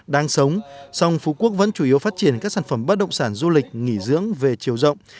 đang sống song phú quốc vẫn chủ yếu phát triển các sản phẩm bất động sản du lịch nghỉ dưỡng về chiều rộng